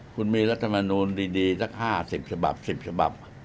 คุณมีรัฐมนูลดีสัก๕๐ฉบับ๑๐ฉบับ